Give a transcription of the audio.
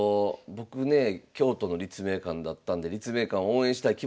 僕ね京都の立命館だったんで立命館応援したい気持ちもありますが。